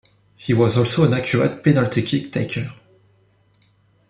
He was also an accurate penalty kick taker.